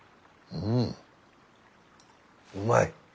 うんうまい。